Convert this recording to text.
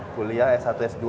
kuliah s satu s dua di bogor